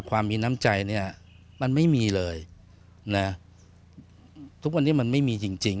ความมีน้ำใจเนี่ยมันไม่มีเลยนะทุกวันนี้มันไม่มีจริงจริง